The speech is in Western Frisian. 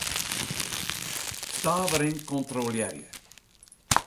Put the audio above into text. Stavering kontrolearje.